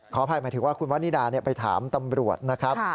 ขออภัยหมายถึงว่าคุณวันนิดาไปถามตำรวจนะครับ